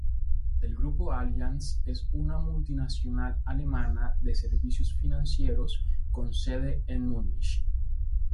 El Grupo Allianz es una multinacional alemana de servicios financieros con sede en Múnich.